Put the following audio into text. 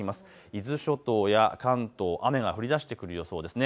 伊豆諸島や関東、雨が降りだしてくる予想です。